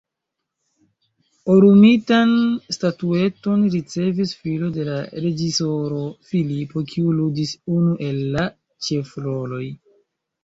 Orumitan statueton ricevis filo de la reĝisoro, Filipo, kiu ludis unu el la ĉefroloj.